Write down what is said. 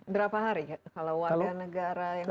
berapa hari kalau warga negara yang sudah ditetapkan